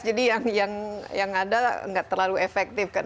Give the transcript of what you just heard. jadi yang ada enggak terlalu efektif kan